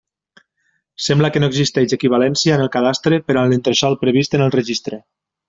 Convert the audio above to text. Sembla que no existeix equivalència en el Cadastre per a l'entresòl previst en el Registre.